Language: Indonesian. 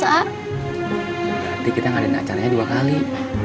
berarti kita ngadain acaranya dua kali